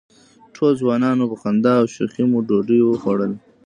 ټول ځوانان وو، په خندا او شوخۍ مو ډوډۍ وخوړله.